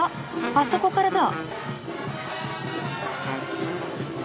あそこからだ！